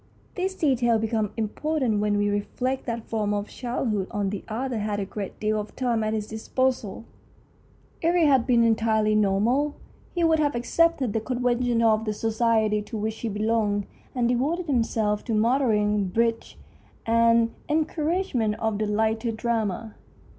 These details become impor tant when we reflect that from his childhood on the author had a great deal of time at his disposal. If he had been entirely normal, he would have accepted the conventions of the society to which he belonged, and devoted himself to motoring, bridge, and the en 118 THE STORY OF A BOOK couragement of the lighter drama.